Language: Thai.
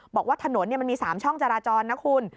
บอกว่าถนนมันมี๓ช่องจราจรนะคุณ